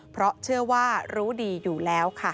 เพราะเชื่อว่ารู้ดีอยู่แล้วค่ะ